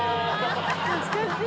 懐かしい！